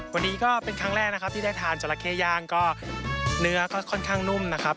วันนี้ก็เป็นครั้งแรกนะครับที่ได้ทานจราเข้ย่างก็เนื้อก็ค่อนข้างนุ่มนะครับ